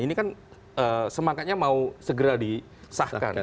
ini kan semangatnya mau segera disahkan